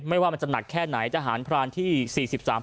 ว่ามันจะหนักแค่ไหนทหารพรานที่สี่สิบสาม